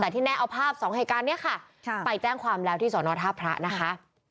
แต่ที่แน่เอาภาพสองเหตุการณ์นี้ค่ะไปแจ้งความแล้วที่สอนอท่าพระนะคะ